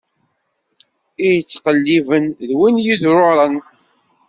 I yettqelliben, d win iḍṛuṛan.